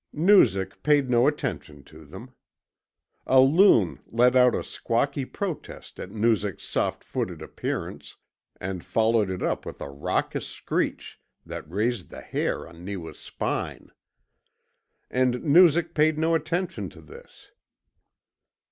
Noozak paid no attention to them. A loon let out a squawky protest at Noozak's soft footed appearance, and followed it up with a raucous screech that raised the hair on Neewa's spine. And Noozak paid no attention to this.